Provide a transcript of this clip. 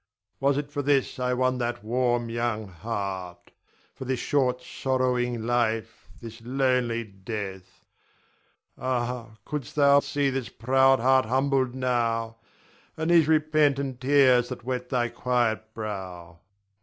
Was it for this I won that warm young heart, for this short sorrowing life, this lonely death? Ah, couldst thou see this proud heart humbled now, and these repentant tears that wet thy quiet brow.